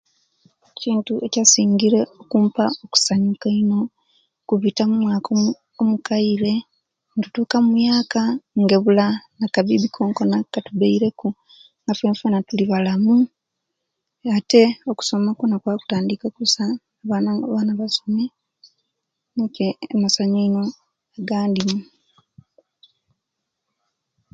Ekintu ekyasingire okupa okusanyuka eino kubita mumwaka mukaire nitutuka mumuyaka nga ebula akabibi konakona akatubereku nga fefena tulibalamu ate okusoma kwona kwaba kutandika kusa abana basome nije amasanyu eino agandimu